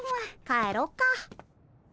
帰ろっか。